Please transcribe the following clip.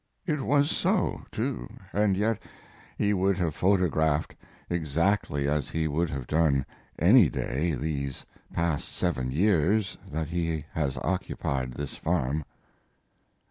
It was so, too, and yet he would have photographed exactly as he would have done any day these past seven years that he has occupied this farm.